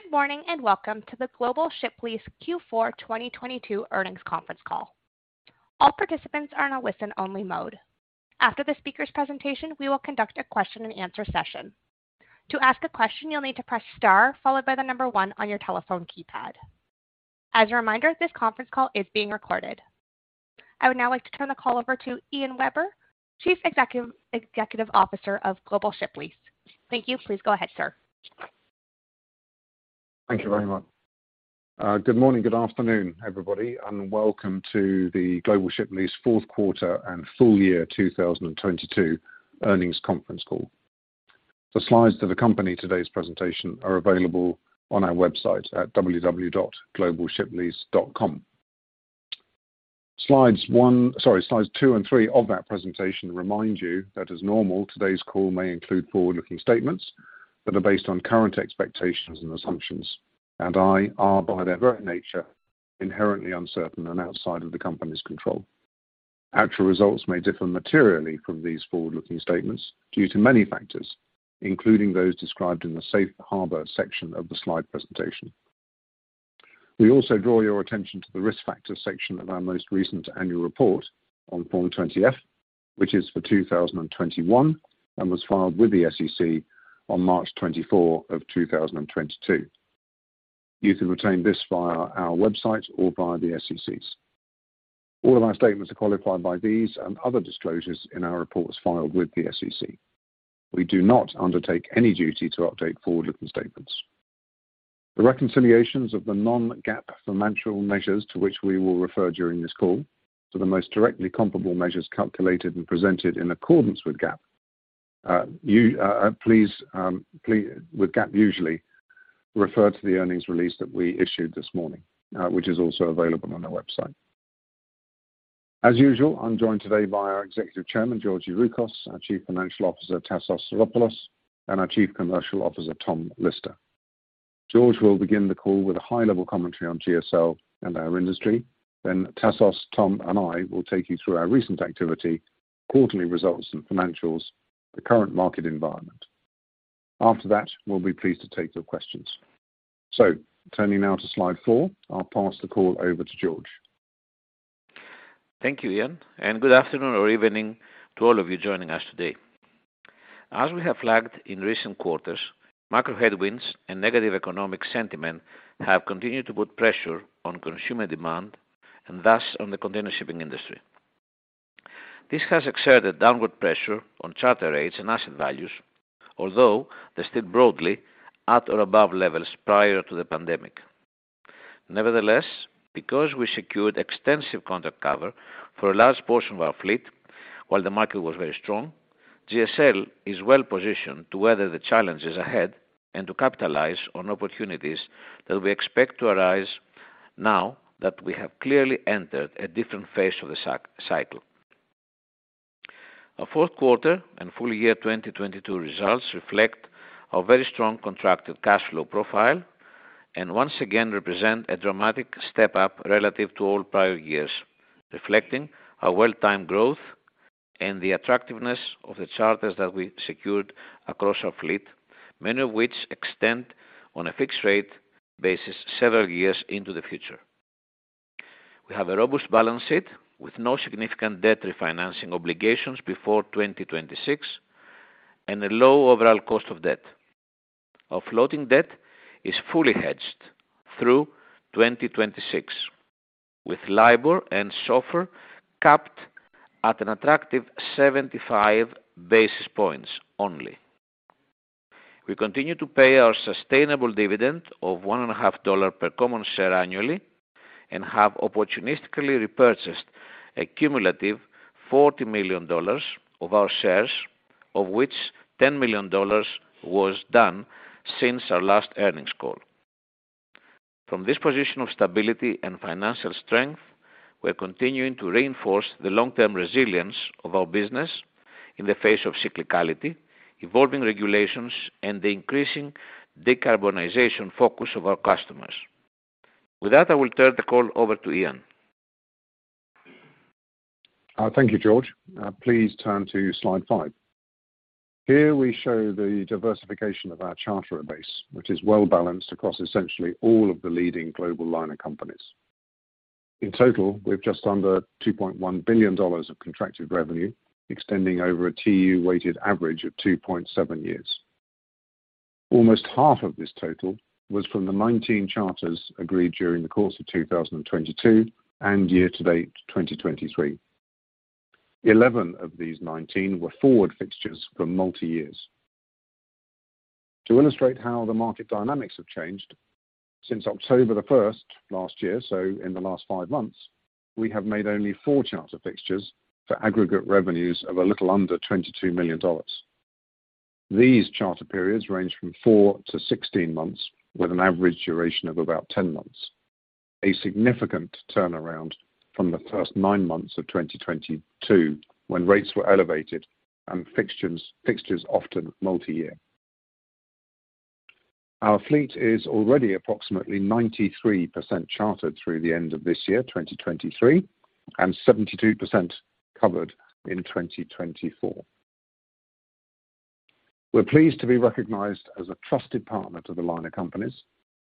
Good morning, welcome to the Global Ship Lease Q4 2022 Earnings Conference Call. All participants are in a listen-only mode. After the speaker's presentation, we will conduct a question and answer session. To ask a question, you'll need to press star followed by one on your telephone keypad. As a reminder, this conference call is being recorded. I would now like to turn the call over to Ian Webber, Chief Executive Officer of Global Ship Lease. Thank you. Please go ahead, sir. Thank you very much. good morning, good afternoon, everybody, and welcome to the Global Ship Lease Q4 and FY 2022 Earnings Conference Call. The slides that accompany today's presentation are available on our website at www.globalshiplease.com. Slides two and three of that presentation remind you that as normal, today's call may include forward-looking statements that are based on current expectations and assumptions, and I are, by their very nature, inherently uncertain and outside of the company's control. Actual results may differ materially from these forward-looking statements due to many factors, including those described in the Safe Harbor section of the slide presentation. We also draw your attention to the Risk Factors section of our most recent annual report on Form 20-F, which is for 2021 and was filed with the SEC on March 24, 2022. You can retain this via our website or via the SEC's. All of our statements are qualified by these and other disclosures in our reports filed with the SEC. We do not undertake any duty to update forward-looking statements. The reconciliations of the non-GAAP financial measures to which we will refer during this call to the most directly comparable measures calculated and presented in accordance with GAAP usually refer to the earnings release that we issued this morning, which is also available on our website. As usual, I'm joined today by our Executive Chairman, George Youroukos, our Chief Financial Officer, Tassos Psaropoulos, and our Chief Commercial Officer, Tom Lister. George will begin the call with a high-level commentary on GSL and our industry. Then Tassos, Tom, and I will take you through our recent activity, quarterly results and financials, the current market environment. After that, we'll be pleased to take your questions. Turning now to Slide four, I'll pass the call over to George. Thank you, Ian. Good afternoon or evening to all of you joining us today. As we have flagged in recent quarters, macro headwinds and negative economic sentiment have continued to put pressure on consumer demand and thus on the container shipping industry. This has exerted downward pressure on charter rates and asset values, although they're still broadly at or above levels prior to the pandemic. Nevertheless, because we secured extensive contract cover for a large portion of our fleet while the market was very strong, GSL is well-positioned to weather the challenges ahead and to capitalize on opportunities that we expect to arise now that we have clearly entered a different phase of the cycle. Our Q4 and FY 2022 results reflect our very strong contracted cash flow profile and once again represent a dramatic step-up relative to all prior years, reflecting our well-timed growth and the attractiveness of the charters that we secured across our fleet, many of which extend on a fixed rate basis several years into the future. We have a robust balance sheet with no significant debt refinancing obligations before 2026 and a low overall cost of debt. Our floating debt is fully hedged through 2026, with LIBOR and SOFR capped at an attractive 75 basis points only. We continue to pay our sustainable dividend of one and a half dollar per common share annually and have opportunistically repurchased a cumulative $40 million of our shares, of which $10 million was done since our last earnings call. From this position of stability and financial strength, we're continuing to reinforce the long-term resilience of our business in the face of cyclicality, evolving regulations, and the increasing decarbonization focus of our customers. With that, I will turn the call over to Ian. Thank you, George. Please turn to Slide 5. Here we show the diversification of our charterer base, which is well-balanced across essentially all of the leading global liner companies. In total, we have just under $2.1 billion of contracted revenue extending over a TEU weighted average of 2.7 years. Almost half of this total was from the 19 charters agreed during the course of 2022 and year to date 2023. 11 of these 19 were forward fixtures for multi-years. To illustrate how the market dynamics have changed since October 1st last year, so in the last five months, we have made only four charter fixtures for aggregate revenues of a little under $22 million. These charter periods range from four to 16 months, with an average duration of about 10 months. A significant turnaround from the first nine months of 2022 when rates were elevated and fixtures often multi-year. Our fleet is already approximately 93% chartered through the end of this year, 2023, and 72% covered in 2024. We're pleased to be recognized as a trusted partner to the liner companies.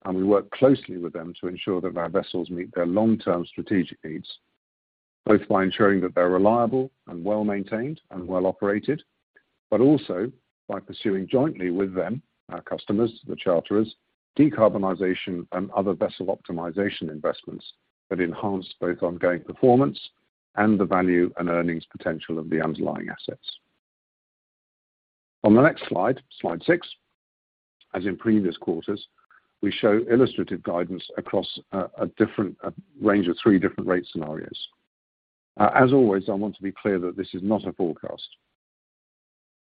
We work closely with them to ensure that our vessels meet their long-term strategic needs, both by ensuring that they're reliable and well-maintained and well-operated, but also by pursuing jointly with them, our customers, the charterers, decarbonization and other vessel optimization investments that enhance both ongoing performance and the value and earnings potential of the underlying assets. On the next Slide 6, as in previous quarters, we show illustrative guidance across a range of three different rate scenarios. As always, I want to be clear that this is not a forecast.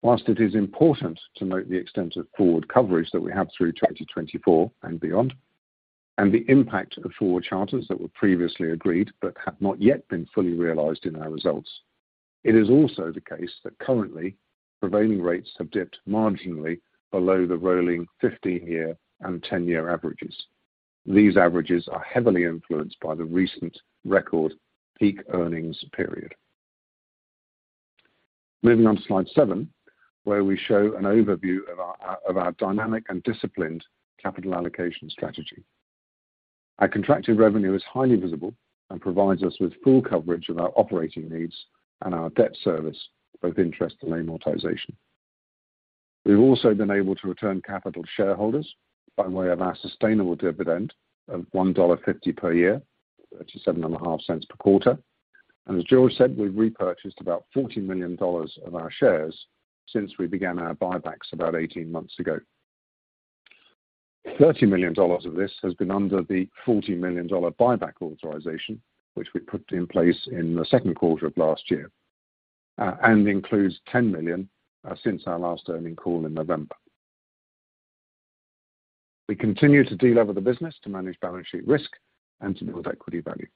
Whilst it is important to note the extent of forward coverage that we have through 2024 and beyond, and the impact of forward charters that were previously agreed but have not yet been fully realized in our results, it is also the case that currently prevailing rates have dipped marginally below the rolling 15-year and 10-year averages. These averages are heavily influenced by the recent record peak earnings period. Moving on to Slide 7, where we show an overview of our dynamic and disciplined capital allocation strategy. Our contracted revenue is highly visible and provides us with full coverage of our operating needs and our debt service, both interest and amortization. We've also been able to return capital to shareholders by way of our sustainable dividend of $1.50 per year, $0.375 per quarter. As George said, we've repurchased about $40 million of our shares since we began our buybacks about 18 months ago. $30 million of this has been under the $40 million buyback authorization, which we put in place in the Q2 of last year, and includes $10 million since our last Earnings Call in November. We continue to delever the business to manage balance sheet risk and to build equity value.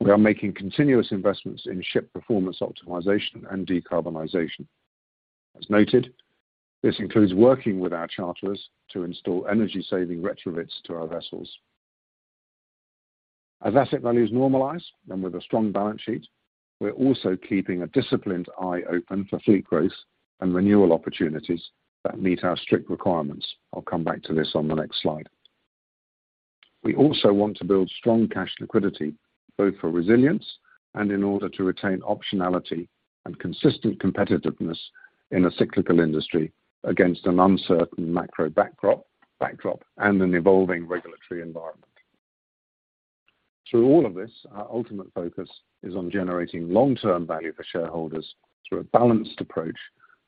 We are making continuous investments in ship performance optimization and decarbonization. As noted, this includes working with our charterers to install energy-saving retrofits to our vessels. As asset values normalize and with a strong balance sheet, we're also keeping a disciplined eye open for fleet growth and renewal opportunities that meet our strict requirements. I'll come back to this on the next slide. We also want to build strong cash liquidity, both for resilience and in order to retain optionality and consistent competitiveness in a cyclical industry against an uncertain macro backdrop and an evolving regulatory environment. Through all of this, our ultimate focus is on generating long-term value for shareholders through a balanced approach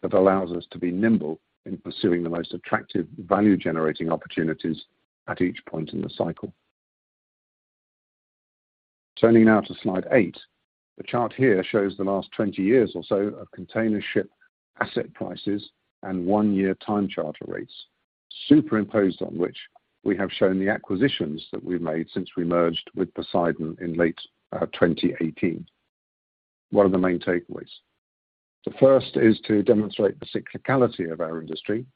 that allows us to be nimble in pursuing the most attractive value-generating opportunities at each point in the cycle. Turning now to Slide 8. The chart here shows the last 20 years or so of container ship asset prices and one-year time charter rates superimposed on which we have shown the acquisitions that we've made since we merged with Poseidon in late 2018. What are the main takeaways? The first is to demonstrate the cyclicality of our industry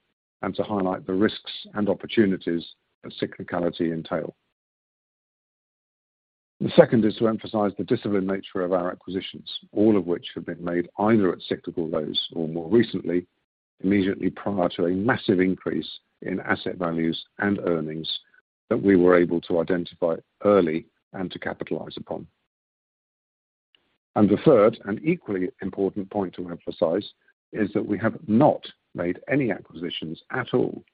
and to highlight the risks and opportunities that cyclicality entail. The second is to emphasize the disciplined nature of our acquisitions, all of which have been made either at cyclical lows or more recently, immediately prior to a massive increase in asset values and earnings that we were able to identify early and to capitalize upon. The third and equally important point to emphasize is that we have not made any acquisitions at all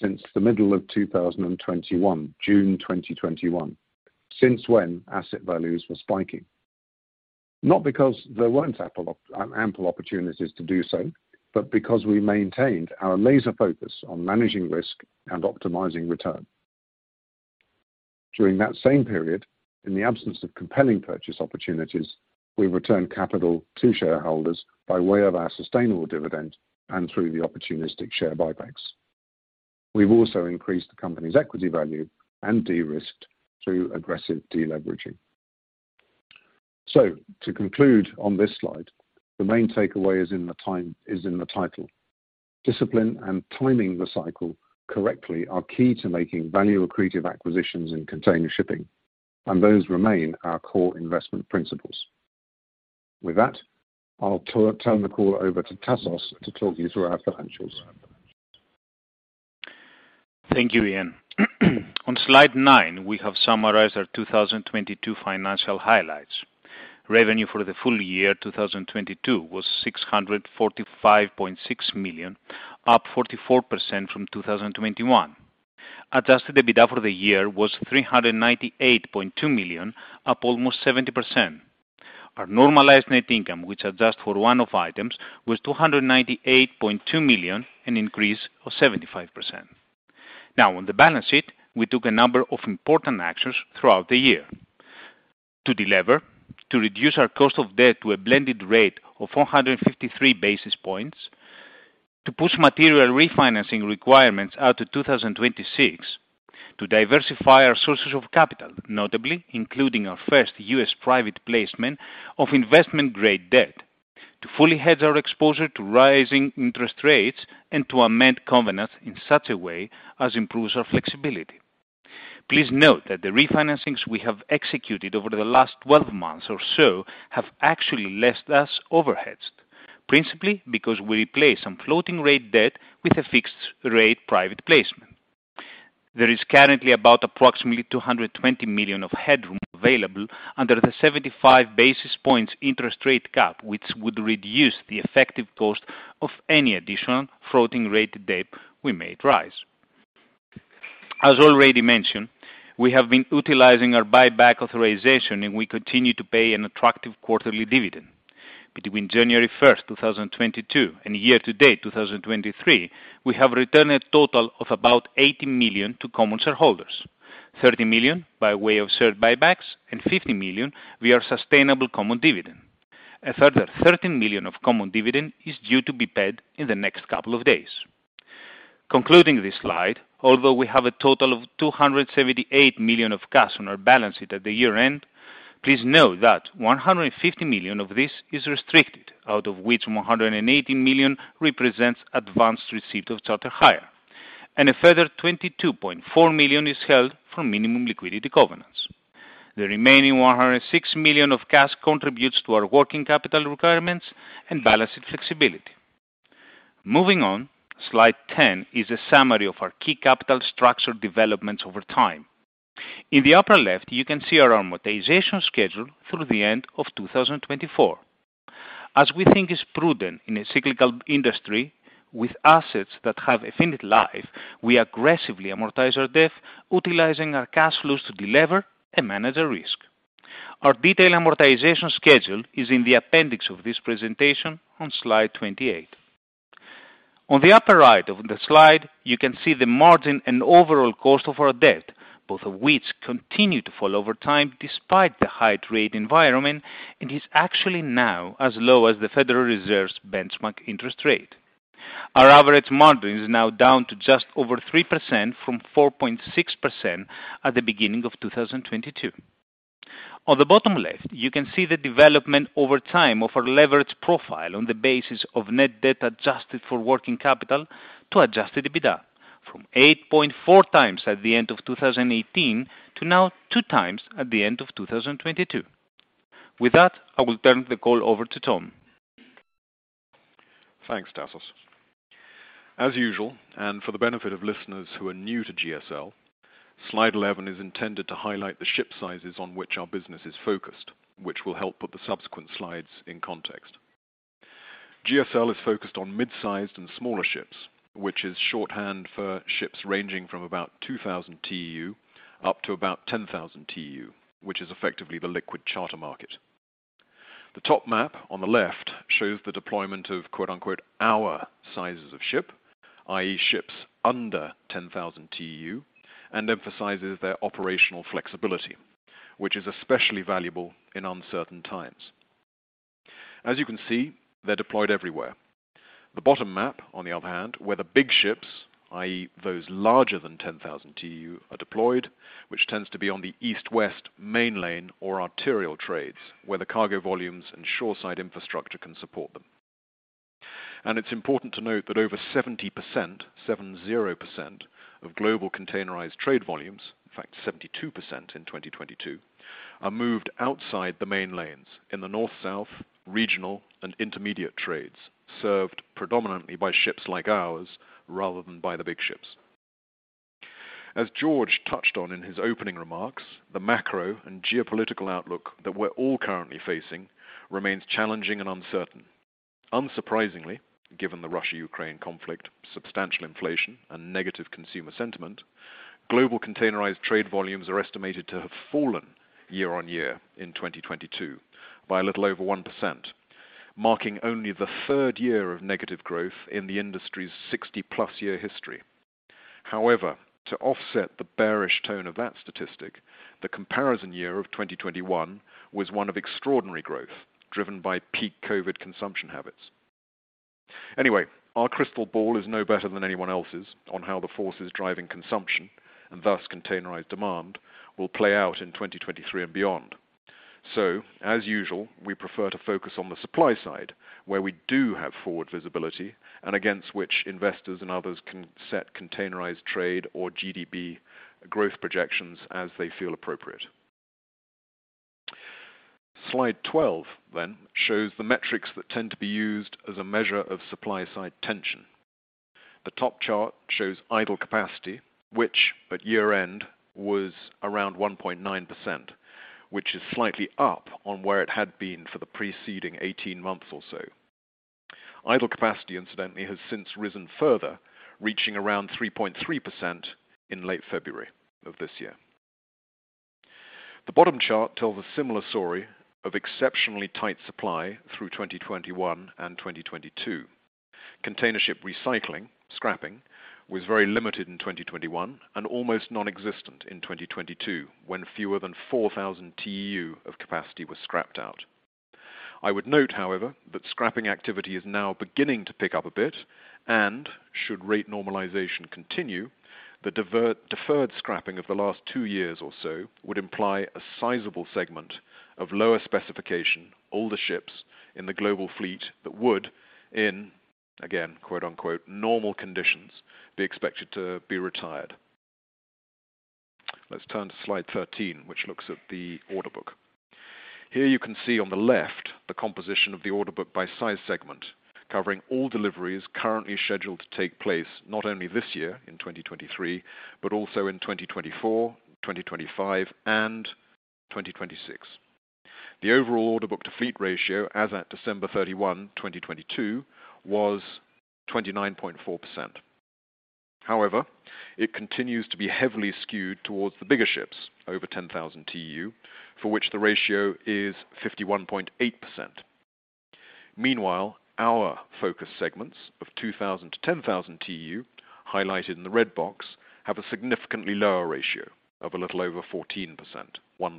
since the middle of 2021, June 2021, since when asset values were spiking. Not because there weren't ample opportunities to do so, but because we maintained our laser focus on managing risk and optimizing return. During that same period, in the absence of compelling purchase opportunities, we returned capital to shareholders by way of our sustainable dividend and through the opportunistic share buybacks. We've also increased the company's equity value and de-risked through aggressive deleveraging. To conclude on this slide, the main takeaway is in the title. Discipline and timing the cycle correctly are key to making value-accretive acquisitions in container shipping, those remain our core investment principles. With that, I'll turn the call over to Tassos to talk you through our financials. Thank you, Ian. On Slide nine, we have summarized our 2022 financial highlights. Revenue for the FY 2022 was $645.6 million, up 44% from 2021. Adjusted EBITDA for the year was $398.2 million, up almost 70%. Our normalized net income, which adjusts for one-off items, was $298.2 million, an increase of 75%. On the balance sheet, we took a number of important actions throughout the year to delever, to reduce our cost of debt to a blended rate of 453 basis points, to push material refinancing requirements out to 2026, to diversify our sources of capital, notably including our first US private placement of investment-grade debt, to fully hedge our exposure to rising interest rates and to amend covenants in such a way as improves our flexibility. Please note that the refinancings we have executed over the last 12 months or so have actually lessed us overheads, principally because we replaced some floating rate debt with a fixed rate private placement. There is currently about approximately $220 million of headroom available under the 75 basis points interest rate cap, which would reduce the effective cost of any additional floating rate debt we may raise. As already mentioned, we have been utilizing our buyback authorization. We continue to pay an attractive quarterly dividend. Between January 1st, 2022 and year-to-date 2023, we have returned a total of about $80 million to common shareholders, $30 million by way of share buybacks and $50 million via sustainable common dividend. A further $13 million of common dividend is due to be paid in the next couple of days. Concluding this slide, although we have a total of $278 million of cash on our balance sheet at the year-end, please note that $150 million of this is restricted, out of which $180 million represents advanced receipt of charter hire, and a further $22.4 million is held for minimum liquidity covenants. The remaining $106 million of cash contributes to our working capital requirements and balance sheet flexibility. Moving on, Slide 10 is a summary of our key capital structure developments over time. In the upper left, you can see our amortization schedule through the end of 2024. As we think is prudent in a cyclical industry with assets that have infinite life, we aggressively amortize our debt, utilizing our cash flows to delever and manage our risk. Our detailed amortization schedule is in the appendix of this presentation on slide 28. On the upper right of the slide, you can see the margin and overall cost of our debt, both of which continue to fall over time despite the high rate environment, and is actually now as low as the Federal Reserve's benchmark interest rate. Our average margin is now down to just over 3% from 4.6% at the beginning of 2022. On the bottom left, you can see the development over time of our leverage profile on the basis of net debt adjusted for working capital to Adjusted EBITDA from 8.4x at the end of 2018 to now 2x at the end of 2022. With that, I will turn the call over to Tom. Thanks, Tassos. As usual, and for the benefit of listeners who are new to GSL, Slide 11 is intended to highlight the ship sizes on which our business is focused, which will help put the subsequent slides in context. GSL is focused on mid-sized and smaller ships, which is shorthand for ships ranging from about 2,000 TEU up to about 10,000 TEU, which is effectively the liquid charter market. The top map on the left shows the deployment of quote-unquote, our sizes of ship, i.e., ships under 10,000 TEU, and emphasizes their operational flexibility, which is especially valuable in uncertain times. As you can see, they're deployed everywhere. The bottom map, on the other hand, where the big ships, i.e., those larger than 10,000 TEU, are deployed, which tends to be on the east-west main lane or arterial trades, where the cargo volumes and shoreside infrastructure can support them. It's important to note that over 70%, 70%, of global containerized trade volumes, in fact, 72% in 2022, are moved outside the main lanes in the north-south, regional, and intermediate trades, served predominantly by ships like ours rather than by the big ships. As George touched on in his opening remarks, the macro and geopolitical outlook that we're all currently facing remains challenging and uncertain. Unsurprisingly, given the Russia-Ukraine conflict, substantial inflation, and negative consumer sentiment, global containerized trade volumes are estimated to have fallen year-on-year in 2022 by a little over 1%, marking only the third year of negative growth in the industry's 60-plus year history. However, to offset the bearish tone of that statistic, the comparison year of 2021 was one of extraordinary growth, driven by peak COVID consumption habits. Our crystal ball is no better than anyone else's on how the forces driving consumption, and thus containerized demand, will play out in 2023 and beyond. As usual, we prefer to focus on the supply side, where we do have forward visibility and against which investors and others can set containerized trade or GDP growth projections as they feel appropriate. Slide 12 shows the metrics that tend to be used as a measure of supply-side tension. The top chart shows idle capacity, which at year-end was around 1.9%, which is slightly up on where it had been for the preceding 18 months or so. Idle capacity, incidentally, has since risen further, reaching around 3.3% in late February of this year. The bottom chart tells a similar story of exceptionally tight supply through 2021 and 2022. Container ship recycling, scrapping, was very limited in 2021 and almost non-existent in 2022, when fewer than 4,000 TEU of capacity was scrapped out. I would note, however, that scrapping activity is now beginning to pick up a bit and should rate normalization continue, the divert-deferred scrapping of the last two years or so would imply a sizable segment of lower specification, older ships in the global fleet that would, in quote-unquote, "normal conditions be expected to be retired." Let's turn to Slide 13, which looks at the order book. Here you can see on the left the composition of the order book by size segment, covering all deliveries currently scheduled to take place, not only this year in 2023, but also in 2024, 2025, and 2026. The overall order book to fleet ratio as at December 31, 2022, was 29.4%. It continues to be heavily skewed towards the bigger ships over 10,000 TEU, for which the ratio is 51.8%. Meanwhile, our focus segments of 2,000 to 10,000 TEU, highlighted in the red box, have a significantly lower ratio of a little over 14%, 14%.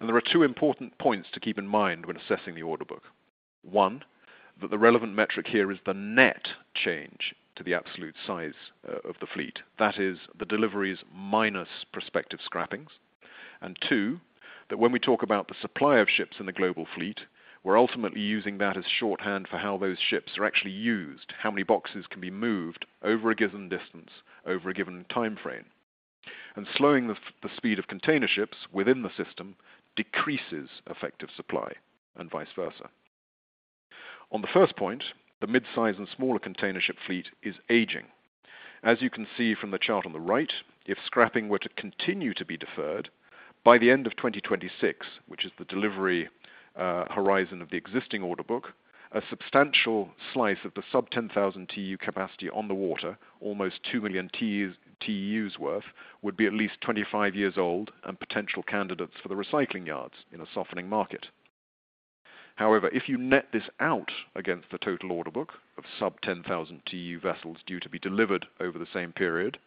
There are two important points to keep in mind when assessing the order book. One, that the relevant metric here is the net change to the absolute size of the fleet. That is the deliveries minus prospective scrappings. Two, that when we talk about the supply of ships in the global fleet, we're ultimately using that as shorthand for how those ships are actually used, how many boxes can be moved over a given distance over a given time frame. Slowing the speed of container ships within the system decreases effective supply and vice versa. On the first point, the mid-size and smaller container ship fleet is aging. As you can see from the chart on the right, if scrapping were to continue to be deferred, by the end of 2026, which is the delivery horizon of the existing order book, a substantial slice of the sub 10,000 TEU capacity on the water, almost 2 million TEUs worth, would be at least 25 years old and potential candidates for the recycling yards in a softening market. However, if you net this out against the total order book of sub 10,000 TEU vessels due to be delivered over the same period,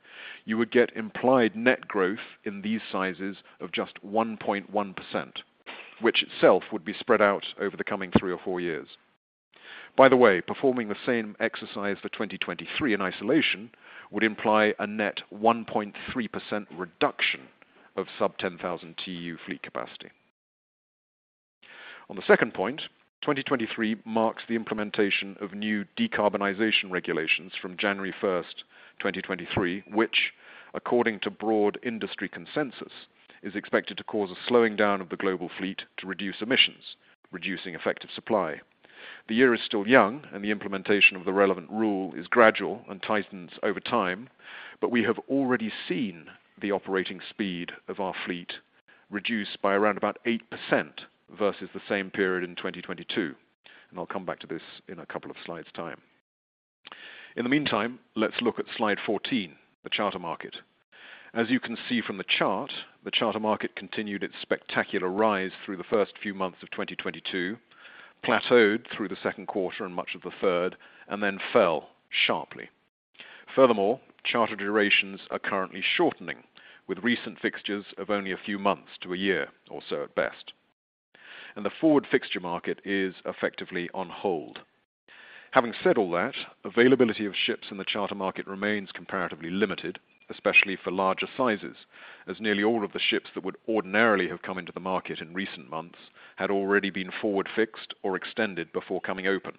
you would get implied net growth in these sizes of just 1.1%, which itself would be spread out over the coming three or four years. By the way, performing the same exercise for 2023 in isolation would imply a net 1.3% reduction of sub 10,000 TEU fleet capacity. On the second point, 2023 marks the implementation of new decarbonization regulations from January 1st, 2023, which according to broad industry consensus, is expected to cause a slowing down of the global fleet to reduce emissions, reducing effective supply. The year is still young and the implementation of the relevant rule is gradual and tightens over time, but we have already seen the operating speed of our fleet reduced by around 8% versus the same period in 2022. I'll come back to this in a couple of slides time. In the meantime, let's look at Slide 14, the charter market. As you can see from the chart, the charter market continued its spectacular rise through the first few months of 2022, plateaued through the Q2 and much of the third, and then fell sharply. Charter durations are currently shortening with recent fixtures of only a few months to a year or so at best, and the forward fixture market is effectively on hold. Having said all that, availability of ships in the charter market remains comparatively limited, especially for larger sizes, as nearly all of the ships that would ordinarily have come into the market in recent months had already been forward fixed or extended before coming open.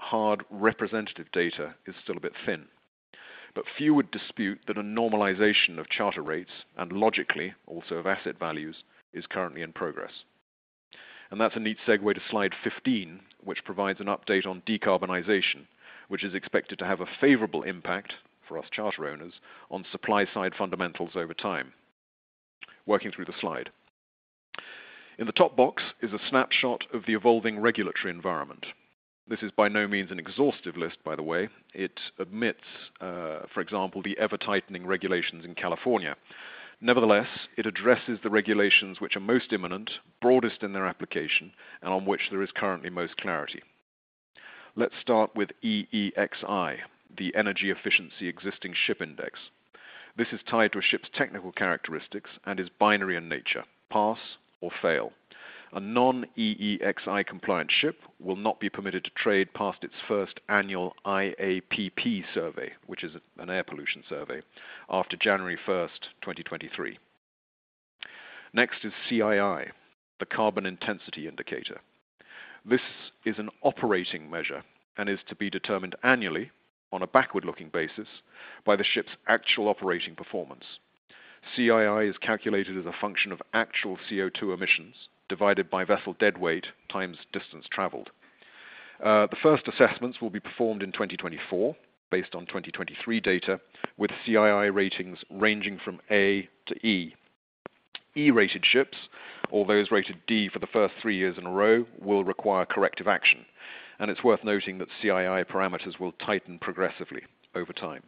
Hard representative data is still a bit thin. Few would dispute that a normalization of charter rates and logically, also of asset values, is currently in progress. That's a neat segue to Slide 15, which provides an update on decarbonization, which is expected to have a favorable impact for us charter owners on supply side fundamentals over time. Working through the slide. In the top box is a snapshot of the evolving regulatory environment. This is by no means an exhaustive list, by the way. It omits, for example, the ever-tightening regulations in California. Nevertheless, it addresses the regulations which are most imminent, broadest in their application, and on which there is currently most clarity. Let's start with EEXI, the Energy Efficiency Existing Ship Index. This is tied to a ship's technical characteristics and is binary in nature, pass or fail. A non-EEXI compliant ship will not be permitted to trade past its first annual IAPP survey, which is an air pollution survey, after January 1st, 2023. Next is CII, the Carbon Intensity Indicator. This is an operating measure and is to be determined annually on a backward-looking basis by the ship's actual operating performance. CII is calculated as a function of actual CO₂ emissions divided by vessel deadweight times distance traveled. The first assessments will be performed in 2024 based on 2023 data, with CII ratings ranging from A to E. E-rated ships or those rated D for the first three years in a row will require corrective action, and it's worth noting that CII parameters will tighten progressively over time.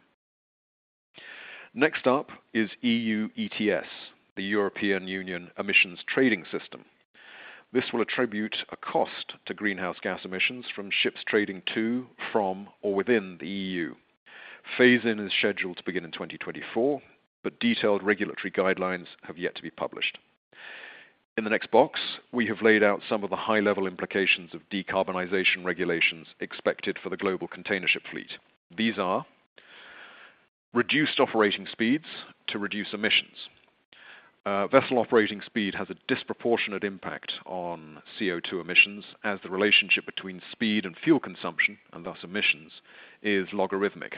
Next up is EU ETS, the European Union Emissions Trading System. This will attribute a cost to greenhouse gas emissions from ships trading to, from, or within the EU. Phase-in is scheduled to begin in 2024, but detailed regulatory guidelines have yet to be published. In the next box, we have laid out some of the high-level implications of decarbonization regulations expected for the global container ship fleet. These are reduced operating speeds to reduce emissions. Vessel operating speed has a disproportionate impact on CO₂ emissions as the relationship between speed and fuel consumption, and thus emissions, is logarithmic.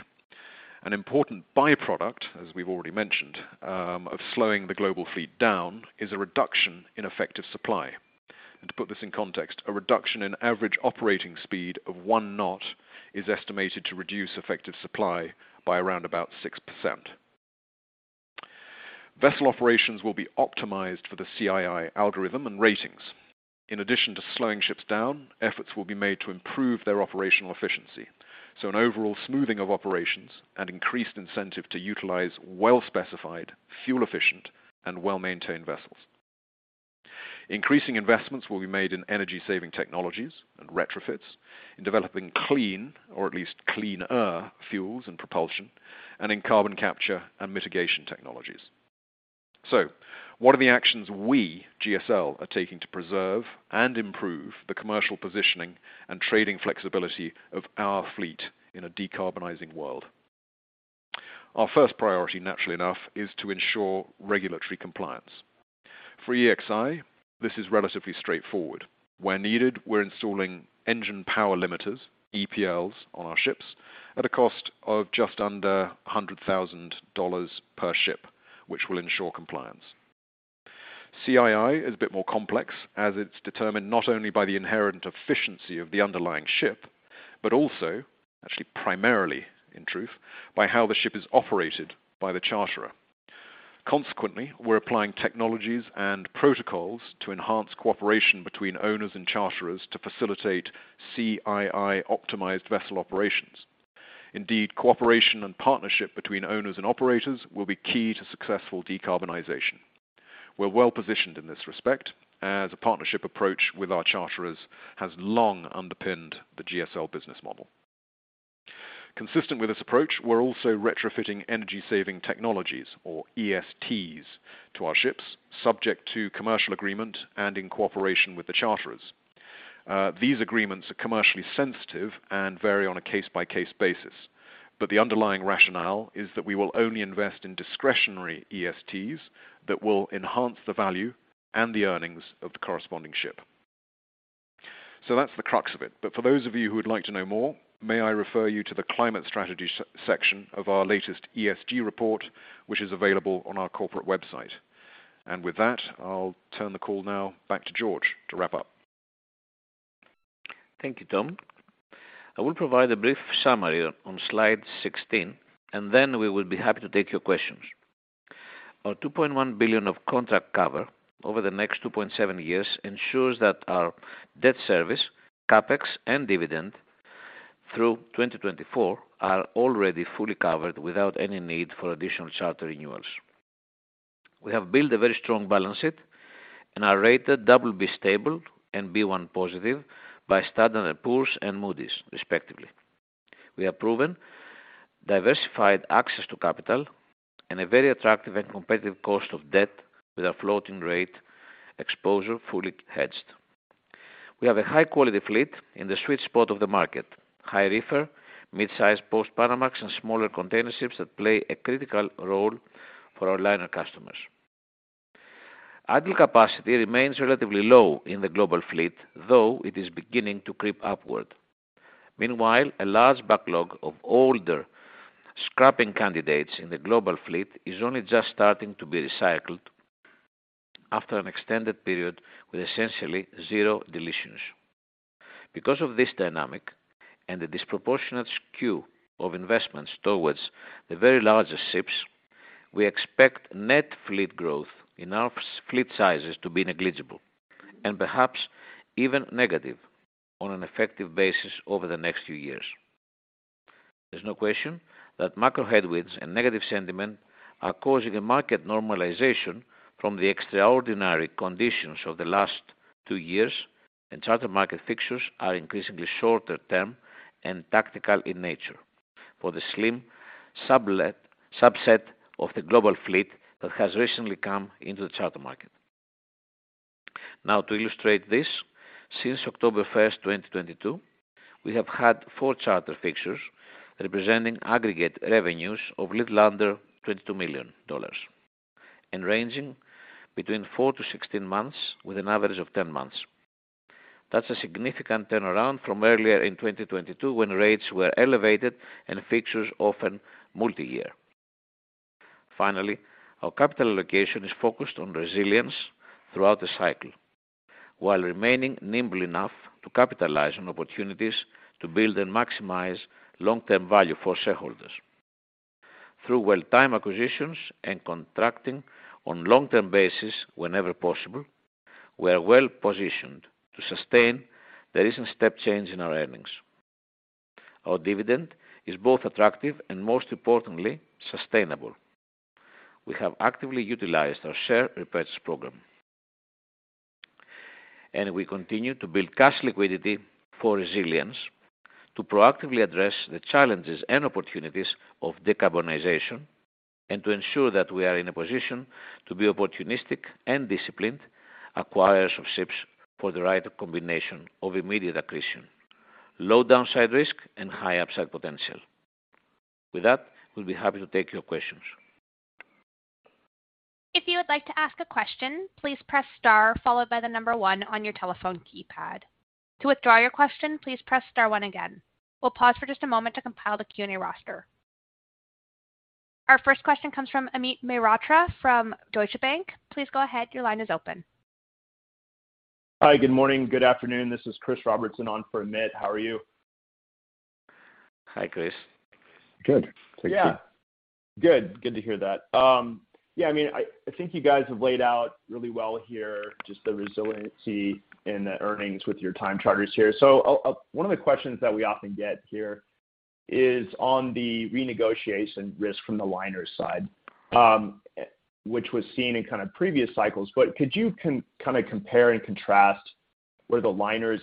An important by-product, as we've already mentioned, of slowing the global fleet down is a reduction in effective supply. To put this in context, a reduction in average operating speed of 1 knot is estimated to reduce effective supply by around about 6%. Vessel operations will be optimized for the CII algorithm and ratings. In addition to slowing ships down, efforts will be made to improve their operational efficiency. An overall smoothing of operations and increased incentive to utilize well-specified, fuel-efficient, and well-maintained vessels. Increasing investments will be made in energy-saving technologies and retrofits, in developing clean or at least cleaner fuels and propulsion, and in carbon capture and mitigation technologies. What are the actions we, GSL, are taking to preserve and improve the commercial positioning and trading flexibility of our fleet in a decarbonizing world? Our first priority, naturally enough, is to ensure regulatory compliance. For EEXI, this is relatively straightforward. Where needed, we're installing engine power limiters, EPLs, on our ships at a cost of just under $100,000 per ship, which will ensure compliance. CII is a bit more complex as it's determined not only by the inherent efficiency of the underlying ship, but also, actually primarily in truth, by how the ship is operated by the charterer. Consequently, we're applying technologies and protocols to enhance cooperation between owners and charterers to facilitate CII-optimized vessel operations. Indeed, cooperation and partnership between owners and operators will be key to successful decarbonization. We're well-positioned in this respect, as a partnership approach with our charterers has long underpinned the GSL business model. Consistent with this approach, we're also retrofitting energy-saving technologies or ESTs to our ships, subject to commercial agreement and in cooperation with the charterers. These agreements are commercially sensitive and vary on a case-by-case basis, but the underlying rationale is that we will only invest in discretionary ESTs that will enhance the value and the earnings of the corresponding ship. That's the crux of it. For those of you who would like to know more, may I refer you to the Climate Strategy section of our latest ESG report, which is available on our corporate website. With that, I'll turn the call now back to George to wrap up. Thank you, Tom. I will provide a brief summary on Slide 16. We will be happy to take your questions. Our $2.1 billion of contract cover over the next 2.7 years ensures that our debt service, CapEx, and dividend through 2024 are already fully covered without any need for additional charter renewals. We have built a very strong balance sheet and are rated BB / Stable and B1 / Positive by S&P Global Ratings and Moody's, respectively. We have proven diversified access to capital and a very attractive and competitive cost of debt with our floating rate exposure fully hedged. We have a high-quality fleet in the sweet spot of the market. High reefer, mid-size post-Panamax, and smaller container ships that play a critical role for our liner customers. Idle capacity remains relatively low in the global fleet, though it is beginning to creep upward. Meanwhile, a large backlog of older scrapping candidates in the global fleet is only just starting to be recycled after an extended period with essentially zero deletions. Because of this dynamic and the disproportionate skew of investments towards the very largest ships, we expect net fleet growth in our fleet sizes to be negligible and perhaps even negative on an effective basis over the next few years. There's no question that macro headwinds and negative sentiment are causing a market normalization from the extraordinary conditions of the last two years, and charter market fixtures are increasingly shorter term and tactical in nature for the slim subset of the global fleet that has recently come into the charter market. To illustrate this, since October 1st, 2022, we have had four charter fixtures representing aggregate revenues of little under $22 million and ranging between four to 16 months with an average of 10 months. That's a significant turnaround from earlier in 2022 when rates were elevated and fixtures often multi-year. Our capital allocation is focused on resilience throughout the cycle while remaining nimble enough to capitalize on opportunities to build and maximize long-term value for shareholders. Through well-timed acquisitions and contracting on long-term basis whenever possible, we are well-positioned to sustain the recent step change in our earnings. Our dividend is both attractive and, most importantly, sustainable. We have actively utilized our share repurchase program. We continue to build cash liquidity for resilience to proactively address the challenges and opportunities of decarbonization. To ensure that we are in a position to be opportunistic and disciplined acquirers of ships for the right combination of immediate accretion, low downside risk and high upside potential. With that, we'll be happy to take your questions. If you would like to ask a question, please press star followed by the number one on your telephone keypad. To withdraw your question, please press star one again. We'll pause for just a moment to compile the Q&A roster. Our first question comes from Amit Mehrotra from Deutsche Bank. Please go ahead. Your line is open. Hi. Good morning. Good afternoon. This is Chris Robertson on for Amit. How are you? Hi, Chris. Good. Thank you. Yeah. Good. Good to hear that. Yeah, I mean, I think you guys have laid out really well here, just the resiliency in the earnings with your time charters here. One of the questions that we often get here is on the renegotiation risk from the liner side, which was seen in kind of previous cycles. Could you kind of compare and contrast where the liners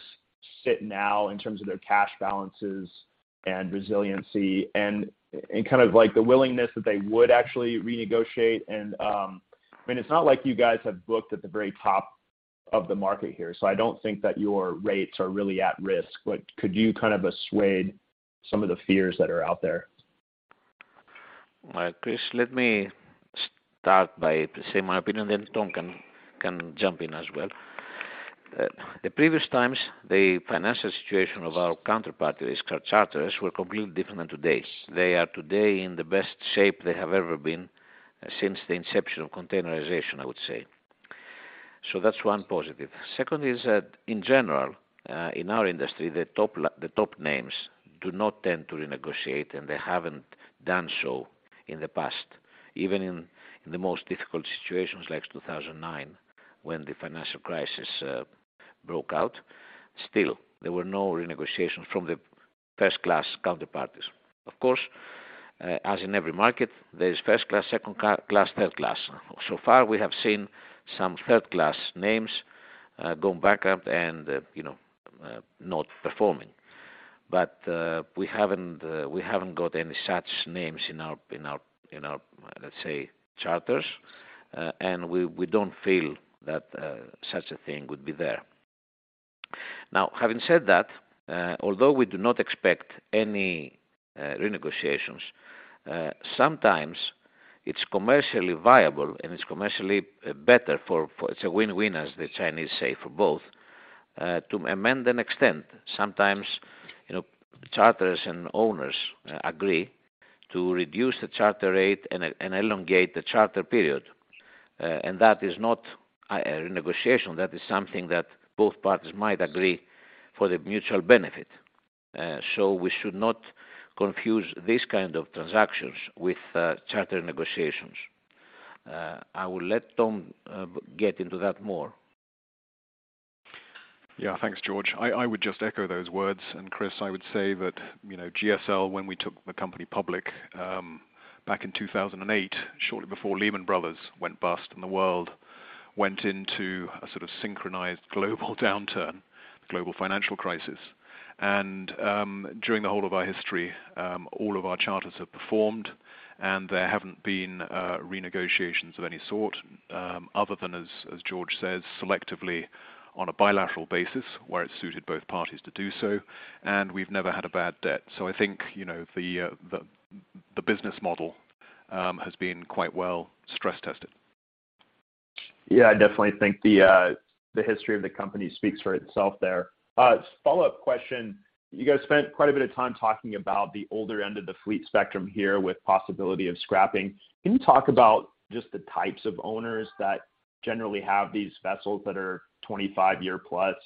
sit now in terms of their cash balances and resiliency and kind of like the willingness that they would actually renegotiate? I mean, it's not like you guys have booked at the very top of the market here, so I don't think that your rates are really at risk. Could you kind of assuage some of the fears that are out there? Chris, let me start by saying my opinion, Tom can jump in as well. The previous times, the financial situation of our counterparties, car charterers, were completely different than today's. They are today in the best shape they have ever been since the inception of containerization, I would say. That's one positive. Second is that in general, in our industry, the top names do not tend to renegotiate, and they haven't done so in the past. Even in the most difficult situations like 2009, when the financial crisis broke out, still there were no renegotiations from the first class counterparties. Of course, as in every market, there is first class, second class, third class. So far, we have seen some third class names going bankrupt and, you know, not performing. We haven't got any such names in our, let's say, charters. We don't feel that such a thing would be there. Now, having said that, although we do not expect any renegotiations, sometimes it's commercially viable and it's commercially better for it's a win-win, as the Chinese say, for both to amend and extend. Sometimes, you know, charters and owners agree to reduce the charter rate and elongate the charter period. That is not a renegotiation. That is something that both parties might agree for their mutual benefit. We should not confuse these kind of transactions with charter negotiations. I will let Tom get into that more. Yeah. Thanks, George. I would just echo those words. Chris, I would say that, you know, GSL, when we took the company public, back in 2008, shortly before Lehman Brothers went bust and the world went into a sort of synchronized global downturn, global financial crisis. During the whole of our history, all of our charters have performed, and there haven't been renegotiations of any sort, other than, as George says, selectively on a bilateral basis where it suited both parties to do so. We've never had a bad debt. I think, you know, the business model has been quite well stress tested. Yeah, I definitely think the history of the company speaks for itself there. Follow-up question. You guys spent quite a bit of time talking about the older end of the fleet spectrum here with possibility of scrapping. Can you talk about just the types of owners that generally have these vessels that are 25-year plus?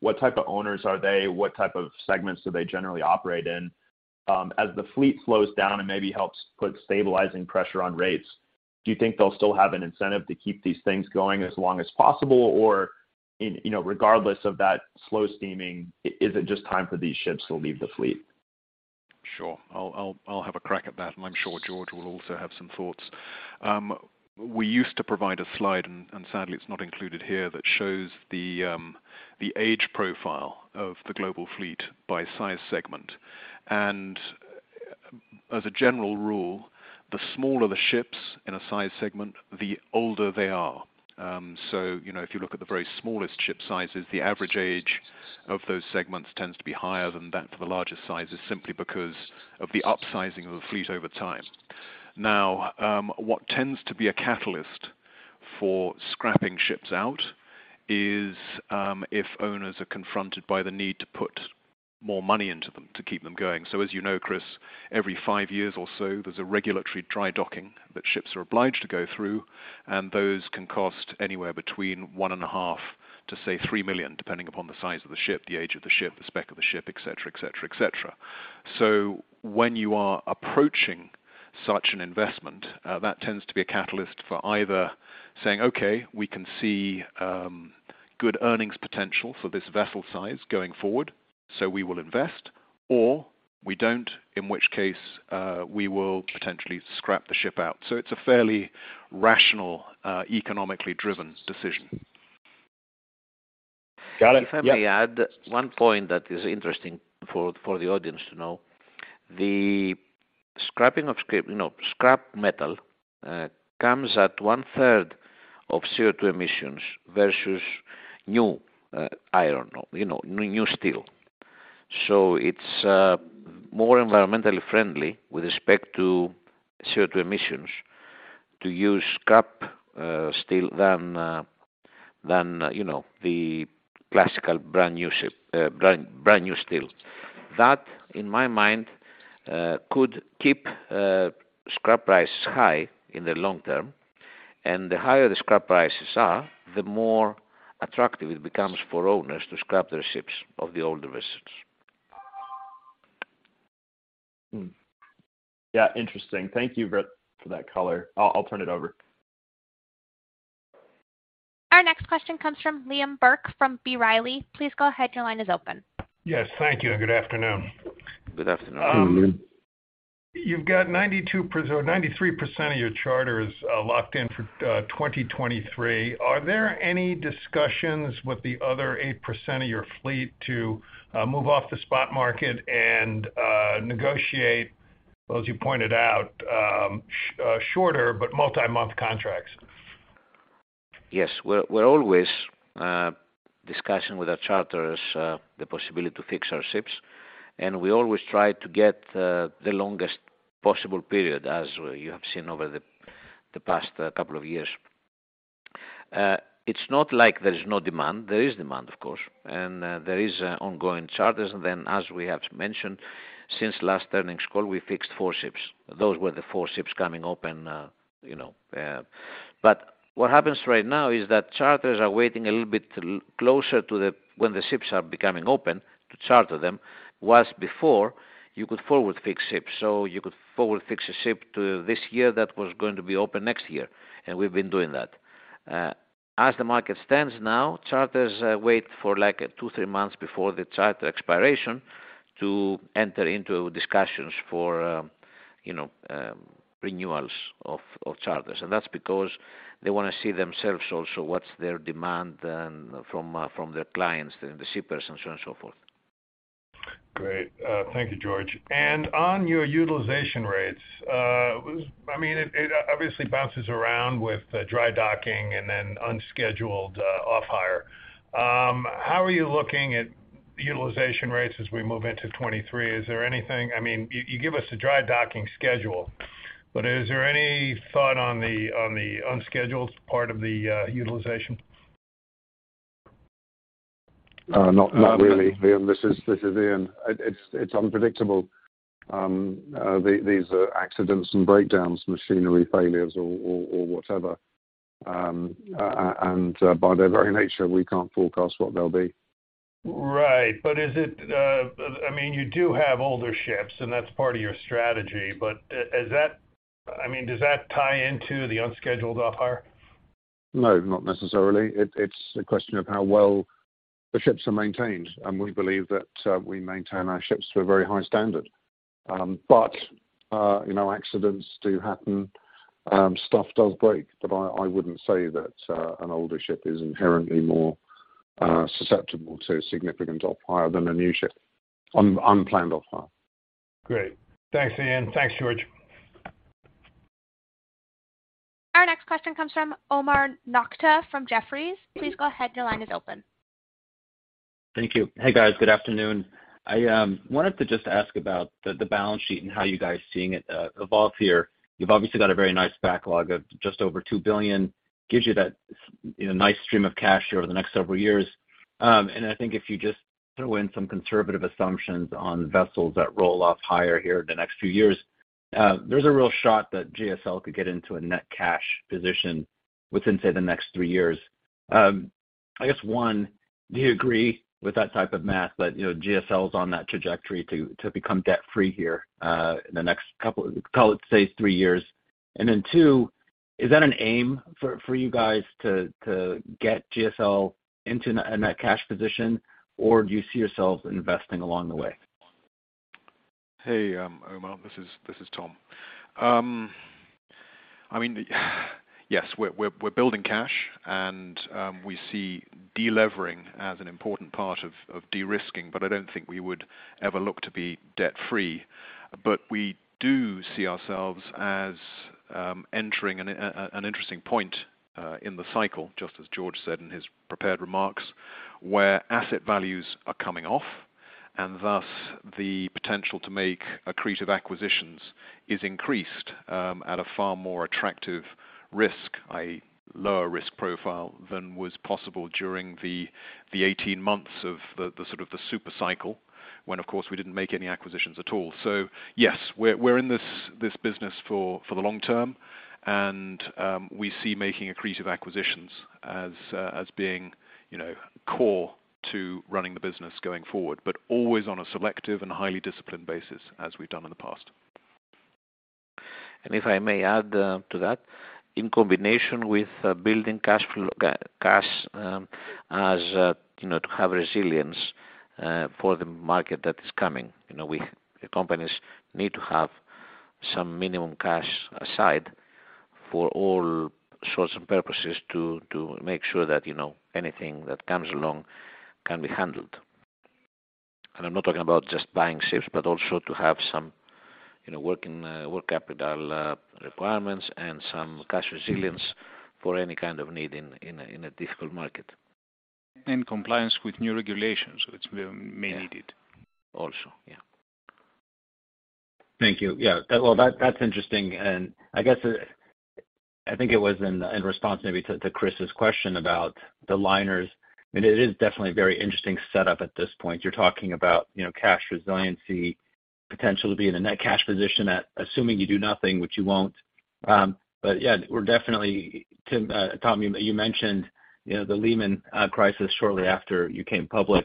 What type of owners are they? What type of segments do they generally operate in? As the fleet slows down and maybe helps put stabilizing pressure on rates, do you think they'll still have an incentive to keep these things going as long as possible? In, you know, regardless of that slow steaming, is it just time for these ships to leave the fleet? Sure. I'll have a crack at that, and I'm sure George will also have some thoughts. We used to provide a slide, and sadly it's not included here, that shows the age profile of the global fleet by size segment. As a general rule, the smaller the ships in a size segment, the older they are. You know, if you look at the very smallest ship sizes, the average age of those segments tends to be higher than that for the larger sizes, simply because of the upsizing of the fleet over time. Now, what tends to be a catalyst for scrapping ships out is, if owners are confronted by the need to put more money into them to keep them going. As you know, Chris, every five years or so, there's a regulatory dry docking that ships are obliged to go through, and those can cost anywhere between one and a half to, say, $3 million, depending upon the size of the ship, the age of the ship, the spec of the ship, et cetera, et cetera, et cetera. When you are approaching such an investment, that tends to be a catalyst for either saying, "Okay, we can see good earnings potential for this vessel size going forward, so we will invest," or, "We don't, in which case, we will potentially scrap the ship out." It's a fairly rational, economically driven decision. If I may add one point that is interesting for the audience to know. The scrapping of you know, scrap metal comes at one-third of CO2 emissions versus new iron ore, you know, new steel. It's more environmentally friendly with respect to CO2 emissions to use scrap steel than, you know, the classical brand-new steel. That, in my mind, could keep scrap prices high in the long term. The higher the scrap prices are, the more attractive it becomes for owners to scrap their ships of the older vessels. Yeah, interesting. Thank you for that color. I'll turn it over. Our next question comes from Liam Burke from B. Riley. Please go ahead. Your line is open. Yes, thank you, and good afternoon. Good afternoon. Good afternoon. You've got 93% of your charters locked in for 2023. Are there any discussions with the other 8% of your fleet to move off the spot market and negotiate, well, as you pointed out, shorter but multi-month contracts? Yes. We're always discussing with our charters, the possibility to fix our ships, and we always try to get the longest possible period, as you have seen over the past couple of years. It's not like there is no demand. There is demand, of course, and there is ongoing charters. As we have mentioned since last earnings call, we fixed four ships. Those were the four ships coming open, you know. What happens right now is that charters are waiting a little bit closer to when the ships are becoming open to charter them, whilst before you could forward-fix ships. You could forward-fix a ship to this year that was going to be open next year, and we've been doing that. As the market stands now, charters, wait for, like, two, three months before the charter expiration to enter into discussions for, you know, renewals of charters. That's because they wanna see themselves also what's their demand then from their clients, the shippers, and so on and so forth. Great. Thank you, George. On your utilization rates, I mean, it obviously bounces around with dry docking and then unscheduled off-hire. How are you looking at utilization rates as we move into '23? Is there anything? I mean, you gave us a dry docking schedule, but is there any thought on the unscheduled part of the utilization? Liam, this is Ian. It's unpredictable. These accidents and breakdowns, machinery failures or whatever. By their very nature, we can't forecast what they'll be. Right. But is it, I mean, you do have older ships, and that's part of your strategy. I mean, does that tie into the unscheduled off-hire? No, not necessarily. It's a question of how well the ships are maintained, and we believe that we maintain our ships to a very high standard. You know, accidents do happen. Stuff does break. I wouldn't say that an older ship is inherently more susceptible to significant off-hire than a new ship. Unplanned off-hire. Great. Thanks, Ian. Thanks, George. Our next question comes from Omar Nokta from Jefferies. Please go ahead. Your line is open. Thank you. Hey, guys. Good afternoon. I wanted to just ask about the balance sheet and how you guys seeing it evolve here. You've obviously got a very nice backlog of just over $2 billion. Gives you that you know, nice stream of cash here over the next several years. And I think if you just throw in some conservative assumptions on vessels that roll off hire here the next few years, there's a real shot that GSL could get into a net cash position within, say, the next three years. I guess, one, do you agree with that type of math that, you know, GSL is on that trajectory to become debt free here in the next couple, call it, say, three years? Then two, is that an aim for you guys to get GSL into a net cash position, or do you see yourselves investing along the way? Hey, Omar. This is Tom. I mean, yes, we're building cash and we see de-levering as an important part of de-risking, but I don't think we would ever look to be debt free. We do see ourselves as entering an interesting point in the cycle, just as George said in his prepared remarks, where asset values are coming off, and thus the potential to make accretive acquisitions is increased at a far more attractive risk, a lower risk profile than was possible during the 18 months of the sort of the super cycle, when of course we didn't make any acquisitions at all. Yes, we're in this business for the long term, and we see making accretive acquisitions as being, you know, core to running the business going forward, but always on a selective and highly disciplined basis as we've done in the past. If I may add to that, in combination with building cash flow, as, you know, to have resilience for the market that is coming. You know, companies need to have some minimum cash aside. For all sorts and purposes to make sure that, you know, anything that comes along can be handled. I'm not talking about just buying ships, but also to have some, you know, working capital requirements and some cash resilience for any kind of need in a difficult market. Compliance with new regulations which may be needed. Also, yeah. Thank you. Yeah. Well, that's interesting. I guess, I think it was in response maybe to Chris's question about the liners. I mean, it is definitely a very interesting setup at this point. You're talking about, you know, cash resiliency, potential to be in a net cash position at assuming you do nothing, which you won't. Yeah, we're definitely, Tom, you mentioned, you know, the Lehman crisis shortly after you came public.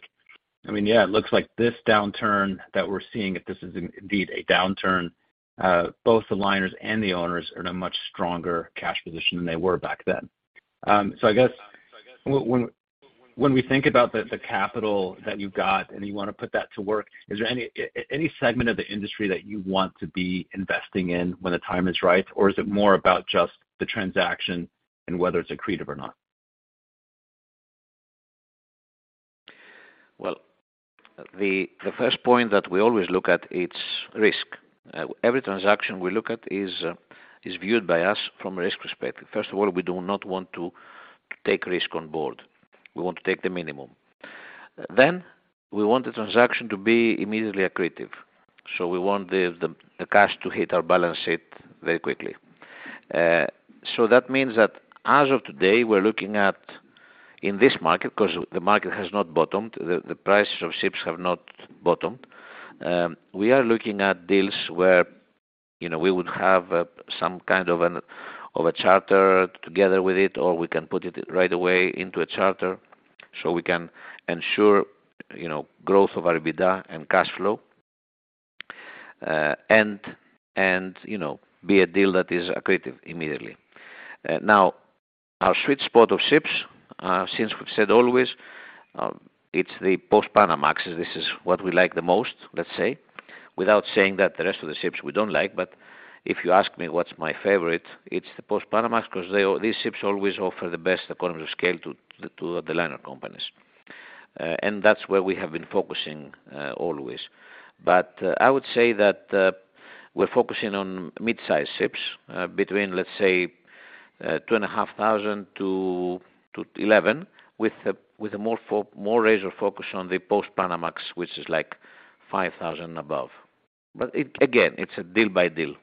I mean, yeah, it looks like this downturn that we're seeing, if this is indeed a downturn, both the liners and the owners are in a much stronger cash position than they were back then. I guess when we think about the capital that you've got, and you wanna put that to work, is there any segment of the industry that you want to be investing in when the time is right? Or is it more about just the transaction and whether it's accretive or not? Well, the first point that we always look at it's risk. Every transaction we look at is viewed by us from risk perspective. First of all, we do not want to take risk on board. We want to take the minimum. We want the transaction to be immediately accretive. We want the cash to hit our balance sheet very quickly. That means that as of today, we're looking at in this market, 'cause the market has not bottomed, the price of ships have not bottomed. We are looking at deals where, you know, we would have some kind of a charter together with it, or we can put it right away into a charter so we can ensure, you know, growth of our EBITDA and cash flow. You know, be a deal that is accretive immediately. Now our sweet spot of ships, since we've said always, it's the Post-Panamax. This is what we like the most, let's say, without saying that the rest of the ships we don't like. If you ask me what's my favorite, it's the Post-Panamax because these ships always offer the best economy scale to the liner companies. That's where we have been focusing always. I would say that we're focusing on mid-size ships, between, let's say, 2,500 to 11 with a more razor focus on the Post-Panamax, which is like 5,000 above. Again, it's a deal by deal.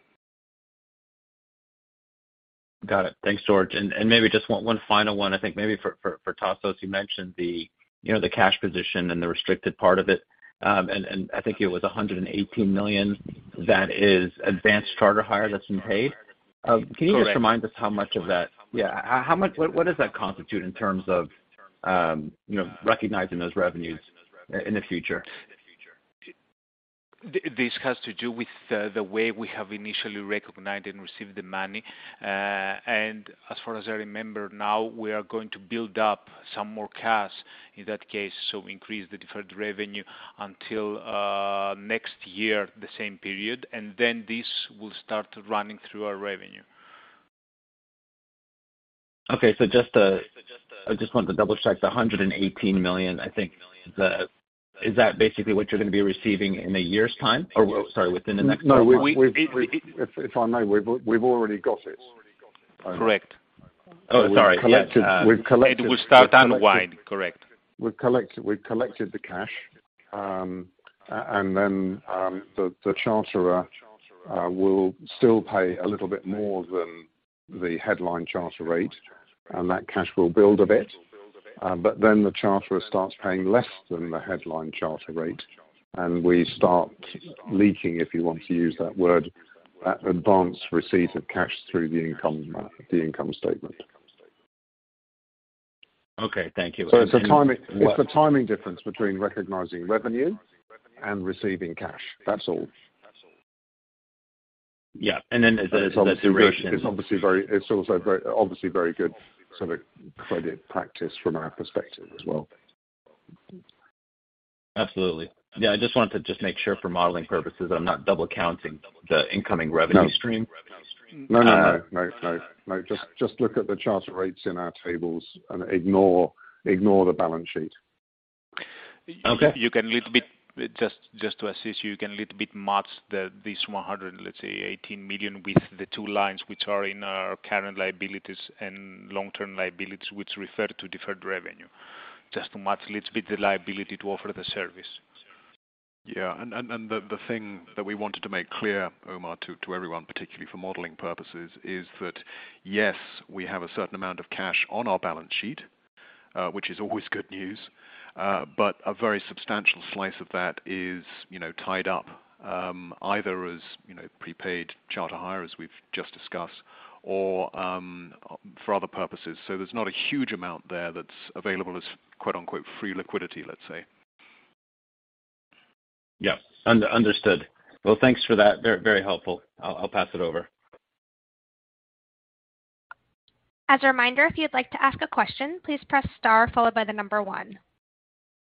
Got it. Thanks, George. Maybe just one final one, I think maybe for Tassos. You mentioned the, you know, the cash position and the restricted part of it. I think it was $118 million that is advanced charter hire that's been paid. Correct. Can you just remind us how much of that. How much does that constitute in terms of, you know, recognizing those revenues in the future? This has to do with the way we have initially recognized and received the money. As far as I remember now, we are going to build up some more cash in that case, so increase the deferred revenue until next year, the same period. Then this will start running through our revenue. Just to... I just wanted to double-check. The $118 million, I think, is that basically what you're gonna be receiving in a year's time? Or sorry, within the next 12 months. We-we-we... If I may, we've already got it. Correct. Oh, sorry. Yeah. We've collected. It will start unwind. Correct. We've collected the cash. The charterer will still pay a little bit more than the headline charter rate, and that cash will build a bit. The charterer starts paying less than the headline charter rate, and we start leaking, if you want to use that word, that advance receipt of cash through the income statement. Okay, thank you. It's a timing difference between recognizing revenue and receiving cash. That's all. Yeah. It's also very, obviously very good sort of credit practice from our perspective as well. Absolutely. Yeah, I just wanted to just make sure for modeling purposes that I'm not double counting the incoming revenue stream. No. No, no. No, no. No. Just look at the charter rates in our tables and ignore the balance sheet. Okay. Just to assist you can little bit match this $118 million with the two lines which are in our current liabilities and long-term liabilities, which refer to deferred revenue. Just to match little bit the liability to offer the service. The thing that we wanted to make clear, Omar, to everyone, particularly for modeling purposes, is that, yes, we have a certain amount of cash on our balance sheet, which is always good news. But a very substantial slice of that is, you know, tied up, either as, you know, prepaid charter hire, as we've just discussed, or for other purposes. There's not a huge amount there that's available as, quote-unquote, "free liquidity," let's say. Yeah. Understood. Well, thanks for that. Very helpful. I'll pass it over. As a reminder, if you'd like to ask a question, please press star followed by the number one.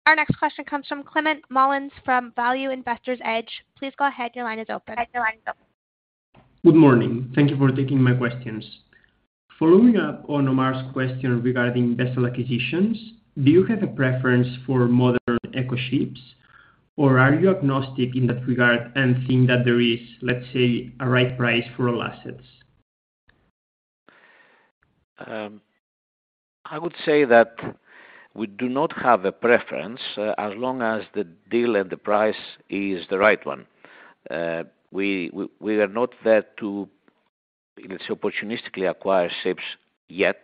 Our next question comes from Climent Molins from Value Investor's Edge. Please go ahead. Your line is open. Good morning. Thank you for taking my questions. Following up on Omar's question regarding vessel acquisitions, do you have a preference for modern eco ships, or are you agnostic in that regard and think that there is, let's say, a right price for all assets? I would say that we do not have a preference as long as the deal and the price is the right one. We are not there to, let's say, opportunistically acquire ships yet,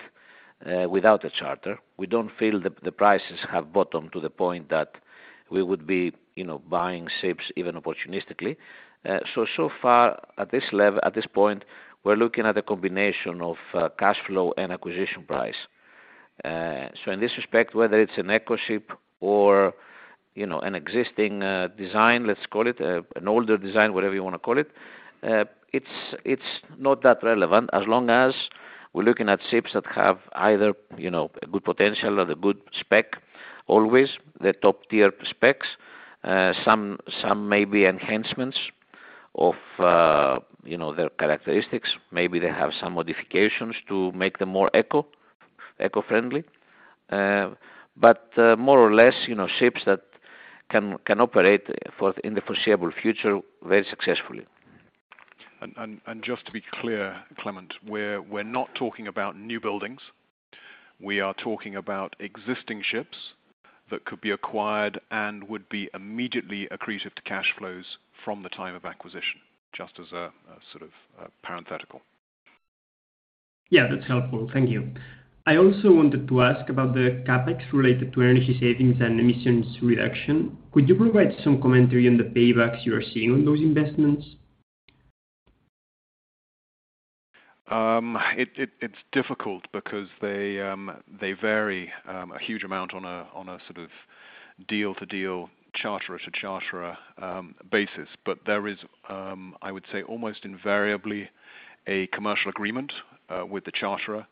without a charter. We don't feel the prices have bottomed to the point that we would be, you know, buying ships even opportunistically. So far at this point, we're looking at a combination of cash flow and acquisition price. In this respect, whether it's an eco ship or, you know, an existing design, let's call it, an older design, whatever you wanna call it's not that relevant as long as we're looking at ships that have either, you know, a good potential or a good spec always, the top tier specs. Some maybe enhancements of, you know, their characteristics. Maybe they have some modifications to make them more eco-friendly. More or less, you know, ships that can operate for, in the foreseeable future very successfully. Just to be clear, Climent, we're not talking about new buildings. We are talking about existing ships that could be acquired and would be immediately accretive to cash flows from the time of acquisition, just as a sort of parenthetical. Yeah, that's helpful. Thank you. I also wanted to ask about the CapEx related to energy savings and emissions reduction. Could you provide some commentary on the paybacks you are seeing on those investments? It's difficult because they vary a huge amount on a sort of deal to deal, charter to charter basis. There is, I would say, almost invariably a commercial agreement with the charter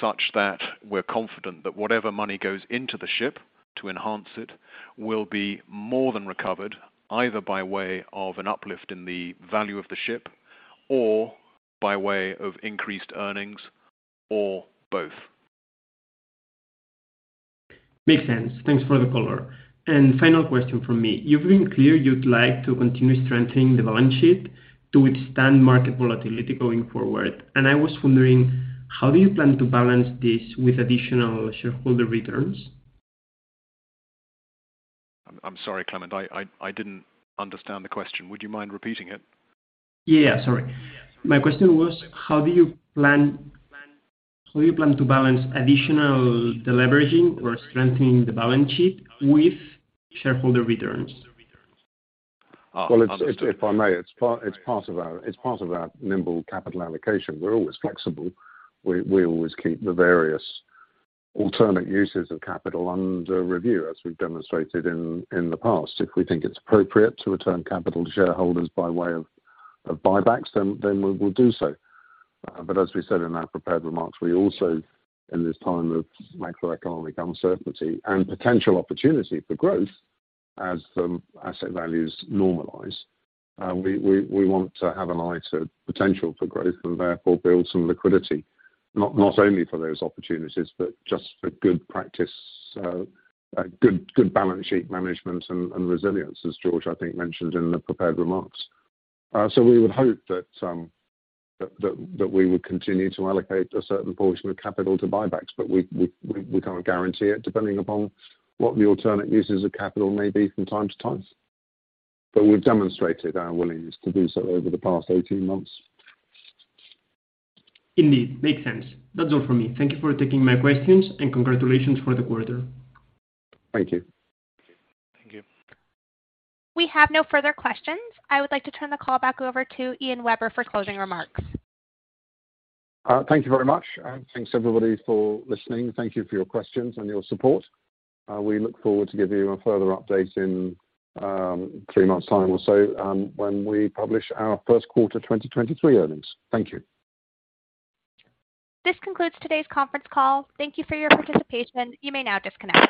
such that we're confident that whatever money goes into the ship to enhance it will be more than recovered, either by way of an uplift in the value of the ship or by way of increased earnings or both. Makes sense. Thanks for the color. Final question from me. You've been clear you'd like to continue strengthening the balance sheet to withstand market volatility going forward. I was wondering how do you plan to balance this with additional shareholder returns? I'm sorry, Climent, I didn't understand the question. Would you mind repeating it? Yeah, sorry. My question was how do you plan to balance additional deleveraging or strengthening the balance sheet with shareholder returns? Understood. If I may, it's part of our nimble capital allocation. We're always flexible. We always keep the various alternate uses of capital under review as we've demonstrated in the past. If we think it's appropriate to return capital to shareholders by way of buybacks, then we will do so. As we said in our prepared remarks, we also, in this time of macroeconomic uncertainty and potential opportunity for growth as some asset values normalize, we want to have an eye to potential for growth and therefore build some liquidity. Not only for those opportunities, but just for good practice, good balance sheet management and resilience, as George, I think, mentioned in the prepared remarks. We would hope that we would continue to allocate a certain portion of capital to buybacks, but we cannot guarantee it, depending upon what the alternate uses of capital may be from time to time. We've demonstrated our willingness to do so over the past 18 months. Indeed. Makes sense. That's all for me. Thank you for taking my questions. Congratulations for the quarter. Thank you. Thank you. We have no further questions. I would like to turn the call back over to Ian Webber for closing remarks. Thank you very much. Thanks everybody for listening. Thank you for your questions and your support. We look forward to giving you a further update in three months' time or so, when we publish our Q1 2023 Earnings. Thank you. This concludes today's conference call. Thank you for your participation. You may now disconnect.